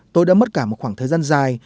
tôi đã mất cả một khoảng thời gian dài